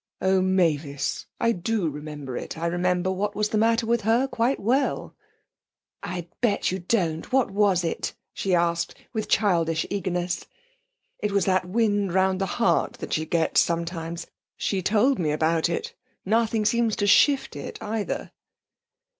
'Oh, Mavis! I do remember it. I remember what was the matter with her quite well.' 'I bet you don't. What was it?' she asked, with childish eagerness. 'It was that wind round the heart that she gets sometimes. She told me about it. Nothing seems to shift it, either.'